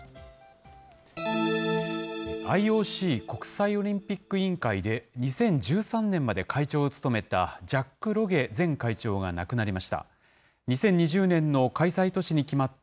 ＩＯＣ・国際オリンピック委員会で、２０１３年まで会長を務めたジャック・ロゲ前会長が亡くなりました。